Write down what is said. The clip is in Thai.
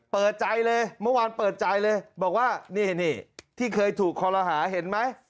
เปิดใจเลยเมื่อวานเปิดใจเลยบอกว่านี่ที่เคยถูกคอลหาเห็นไหม